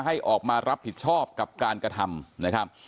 ให้ออกมารับผิดชอบกับการกระทำนะครับ